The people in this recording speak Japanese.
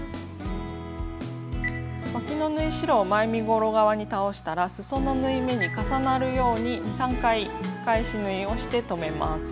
わきの縫い代は前身ごろ側に倒したらすその縫い目に重なるように２３回返し縫いをして留めます。